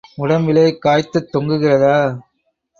உடம்பிலே காய்த்துத் தொங்குகிறதா?